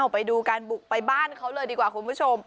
ไปดูการบุกไปบ้านเขาเลยดีกว่าคุณผู้ชม